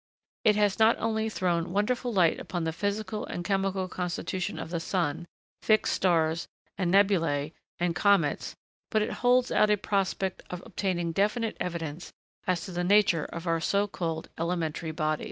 It has not only thrown wonderful light upon the physical and chemical constitution of the sun, fixed stars, and nebulæ, and comets, but it holds out a prospect of obtaining definite evidence as to the nature of our so called elementary bodies.